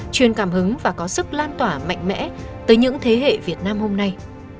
truyền cảm hứng và có sức lan tỏa mạnh mẽ tới những thế hệ việt nam hôm nay